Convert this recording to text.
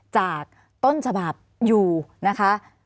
จากต้นฉบับอยู่นะคะ